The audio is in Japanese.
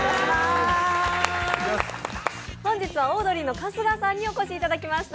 本日はオードリーの春日さんにお越しいただきました。